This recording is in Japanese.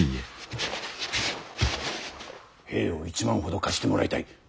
兵を１万ほど貸してもらいたい。